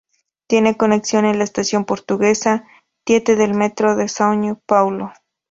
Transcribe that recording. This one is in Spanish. Tiene conexión con la Estación Portuguesa-Tietê del metro de São Paulo.